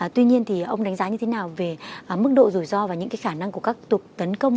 tuy nhiên ông đánh giá như thế nào về mức độ rủi ro và những cái khả năng của các tục tấn công